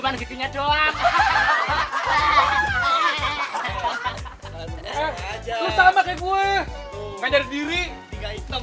bahkan tuh kelihatan kalau malem